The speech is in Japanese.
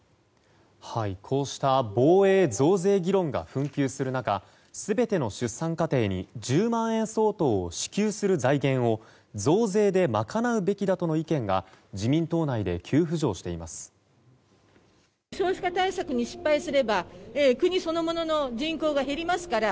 こうした防衛増税議論が紛糾する中全ての出産家庭に１０万円相当を支給する財源を増税で賄うべきだとの意見が自民党内で急浮上しています。